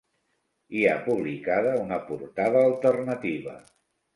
Hi ha publicada una portada alternativa.